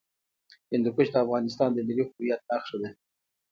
هندوکش د افغانستان د ملي هویت نښه ده.